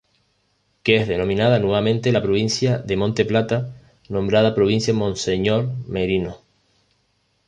Que es denominada nuevamente la Provincia de Monte Plata nombrada Provincia Monseñor Meriño.